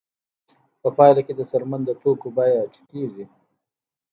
په پایله کې د څرمن د توکو بیه ټیټېږي